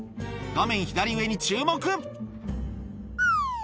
画面左上に注目。